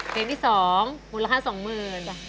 เพลงที่สองมูลค่าสองหมื่น